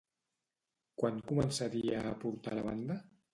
Quan començaria a portar la banda?